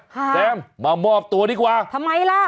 แซมมามอบตัวดีกว่าทำไมล่ะ